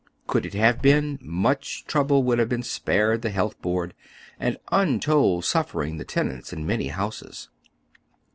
Could it have been, much trouble would have been spared the Health Board, and untold suffering the tenants in many houses.